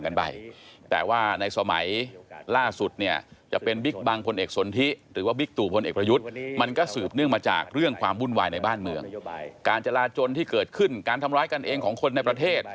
การจราจนที่เกิดขึ้นการทำร้ายกันเองของคนในประเทศ